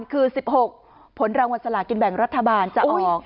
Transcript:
คือ๑๖ผลรางวัลสลากินแบ่งรัฐบาลจะออก